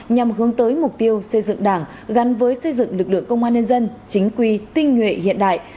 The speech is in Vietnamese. nhằm hướng tới mục tiêu xây dựng đảng gắn với xây dựng lực lượng công an nhân dân chính quy tinh nguyện hiện đại